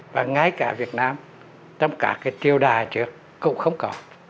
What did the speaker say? và ngay cả việt nam trong các triều đài trước cũng không còn